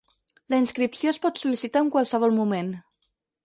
La inscripció es pot sol·licitar en qualsevol moment.